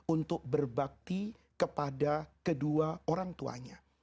untuk berbakti kepada kedua orang tuanya